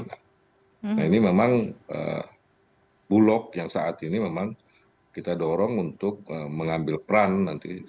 nah ini memang bulog yang saat ini memang kita dorong untuk mengambil peran nanti